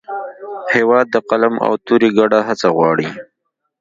هېواد د قلم او تورې ګډه هڅه غواړي.